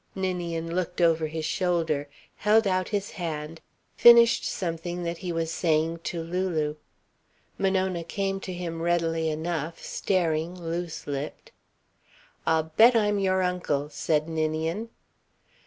Ninian looked over his shoulder, held out his hand, finished something that he was saying to Lulu. Monona came to him readily enough, staring, loose lipped. "I'll bet I'm your uncle," said Ninian.